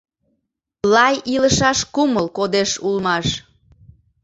Лай илышаш Кумыл кодеш улмаш.